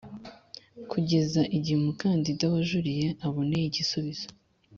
kugeza igihe umukandida wajuriye aboneye igisubizo